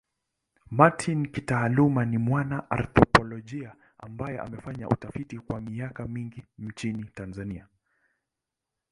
Martin kitaaluma ni mwana anthropolojia ambaye amefanya utafiti kwa miaka mingi nchini Tanzania.